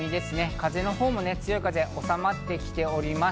風も強い風はおさまってきております。